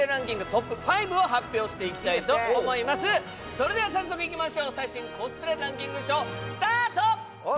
それでは早速いきましょう最新コスプレランキングＳＨＯＷスタート！